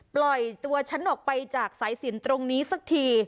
ปล่อยตัวฉันออกไปจากสายสินตรงนี้สักที